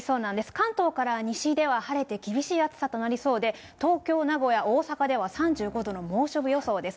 関東から西では晴れて厳しい暑さとなりそうで、東京、名古屋、大阪では３５度の猛暑日予想です。